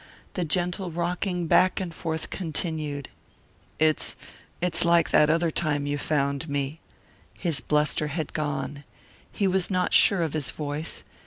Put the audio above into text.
The gentle rocking back and forth continued. "It's it's like that other time you found me " His bluster had gone. He was not sure of his voice.